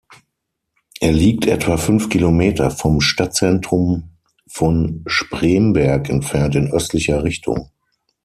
Er liegt etwa fünf Kilometer vom Stadtzentrum von Spremberg entfernt in östlicher Richtung.